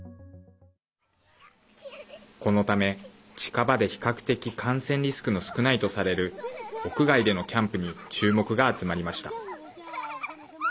このため、近場で、比較的感染リスクの少ないとされる屋外でのキャンプに注目が集まりました。